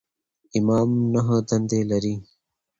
امام نهه دندې لري.